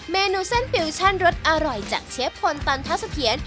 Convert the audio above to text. เมนูเส้นฟิวชั่นรสอร่อยจากเชฟพลตันทัศเพียร